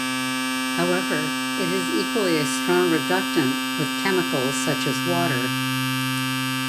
However, it is equally a strong reductant with chemicals such as water.